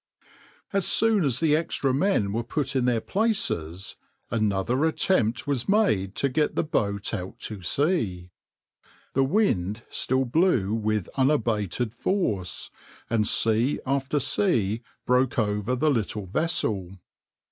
\par As soon as the extra men were put in their places, another attempt was made to get the boat out to sea. The wind still blew with unabated force, and sea after sea broke over the little vessel.